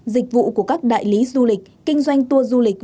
dịch vụ của các đại lý du lịch kinh doanh tour du lịch